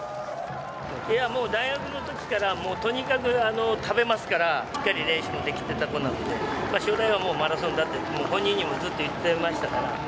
いや、もう、大学のときから、もうとにかく食べますから、しっかり練習もできてた子なので、将来はもうマラソンだって、もう本人にもずっと言ってましたから。